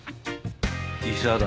医者だ。